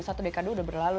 satu dekade udah berlalu